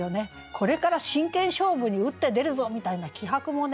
これから真剣勝負に打って出るぞみたいな気迫もね